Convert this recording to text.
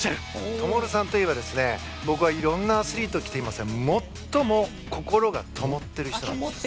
灯さんといえば、僕は色んなアスリートを見ていますが最も心がともっている人。